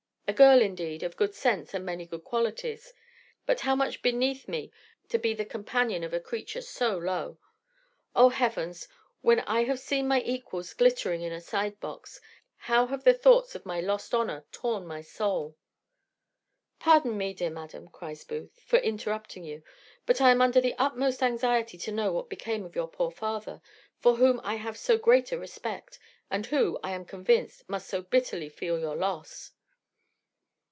A girl, indeed, of good sense and many good qualities; but how much beneath me was it to be the companion of a creature so low! O heavens! when I have seen my equals glittering in a side box, how have the thoughts of my lost honour torn my soul!" "Pardon me, dear madam," cries Booth, "for interrupting you; but I am under the utmost anxiety to know what became of your poor father, for whom I have so great a respect, and who, I am convinced, must so bitterly feel your loss."